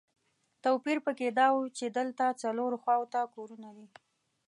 توپیر په کې دا و چې دلته څلورو خواوو ته کورونه دي.